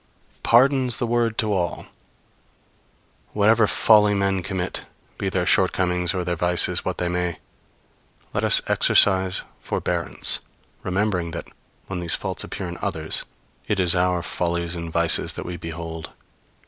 Pardon's the word to all! Whatever folly men commit, be their shortcomings or their vices what they may, let us exercise forbearance; remembering that when these faults appear in others, it is our follies and vices that we behold.